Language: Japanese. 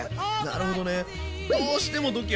なるほどね。